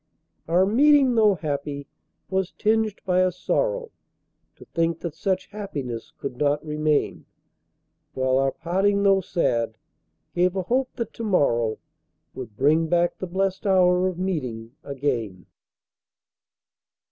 Our meeting, tho' happy, was tinged by a sorrow To think that such happiness could not remain; While our parting, tho' sad, gave a hope that to morrow Would bring back the blest hour of meeting again.